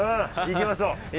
行きましょう。